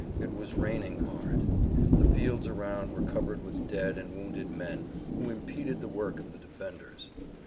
It was raining hard. The fields around were covered with dead and wounded men who impeded the work of the defenders.